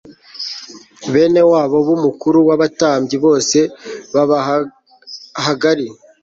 bene wabo b umukuru w abatambyi bose babahagari